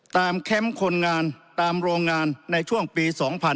แคมป์คนงานตามโรงงานในช่วงปี๒๕๕๙